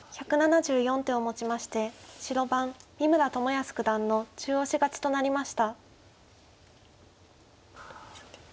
１７４手をもちまして白番三村智保九段の中押し勝ちとなりました。